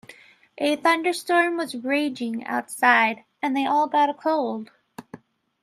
A thunderstorm was raging outside and they all got a cold.